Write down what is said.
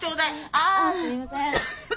ああすいません。